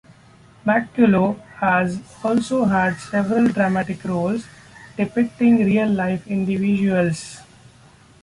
McCullough has also had several dramatic roles depicting real-life individuals.